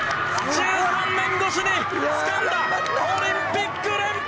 １３年越しにつかんだオリンピック連覇！